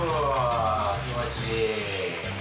気持ちいい。